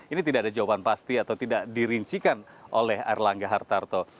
ini tidak ada jawaban pasti atau tidak dirincikan oleh erlangga hartarto